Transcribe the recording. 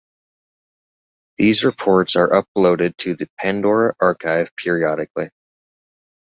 These reports are uploaded to the Pandora Archive periodically.